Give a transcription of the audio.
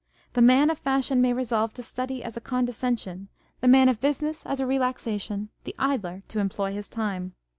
The man of fashion may resolve to study as a condescension, the man of business as a re laxation, the idler to employ his time.